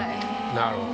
なるほど。